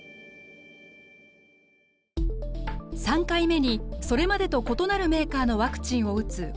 ３回目にそれまでと異なるメーカーのワクチンを打つ